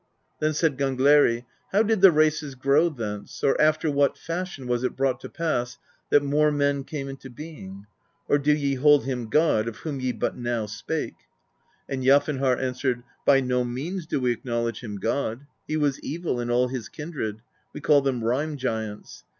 Then said Gangleri :^^ How did the races grow thence, or after what fashion was it brought to pass that more men came into being? Or do ye hold him God, of whom ye but now spake?" And Jafnharr answered: "By no means do we acknowledge him God; he was evil and all his kin dred: we call them Rime Giants.